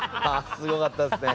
すごかったですね。